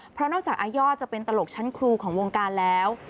เพราะนอกจากอาย่อจะเป็นตลกชั้นครูของวงการแล้ว